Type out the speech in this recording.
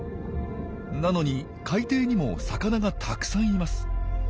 なのに海底にも魚がたくさんいます。